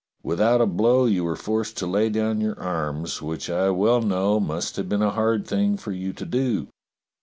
Without a blow you were forced to lay down your arms, which I well know must have been a hard thing for you to do.